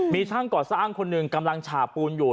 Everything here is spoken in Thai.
มีช่างก่อสร้างคนหนึ่งกำลังฉาปูนอยู่